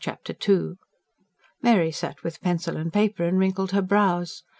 Chapter II Mary sat with pencil and paper and wrinkled her brows.